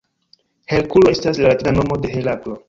Herkulo estas la latina nomo de Heraklo.